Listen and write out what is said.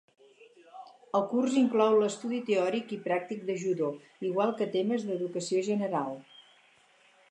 El curs inclou l'estudi teòric i pràctic de judo, igual que temes d'educació general.